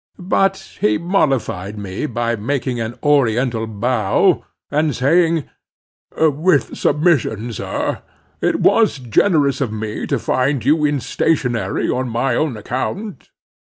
But he mollified me by making an oriental bow, and saying—"With submission, sir, it was generous of me to find you in stationery on my own account."